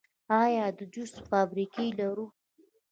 آیا د جوس فابریکې لرو؟